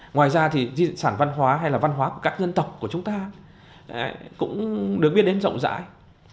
ngoài ra thì di sản văn hóa hay là văn hóa của các dân tộc của chúng ta cũng được biết đến rộng rãi